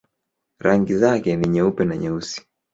Rangi zake ni nyeupe na nyeusi.